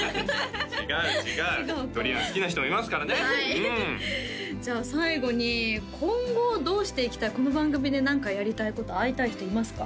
違う違うドリアン好きな人もいますからねはいじゃあ最後に今後どうしていきたいこの番組で何かやりたいこと会いたい人いますか？